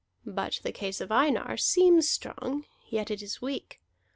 But the case of Einar seems strong, yet it is weak.